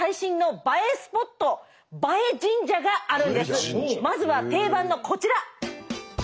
ここでまずは定番のこちら。